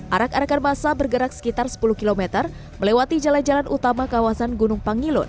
arak arakan masa bergerak sekitar sepuluh km melewati jalan jalan utama kawasan gunung pangilun